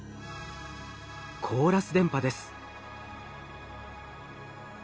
コーラス電波です。